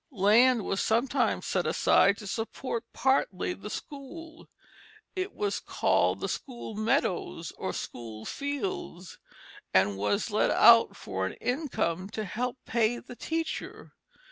Land was sometimes set aside to support partly the school; it was called the "school meadows," or "school fields," and was let out for an income to help to pay the teacher.